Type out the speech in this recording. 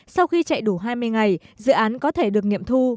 sau khi chạy đủ hai mươi ngày dự án có thể được nghiệm thu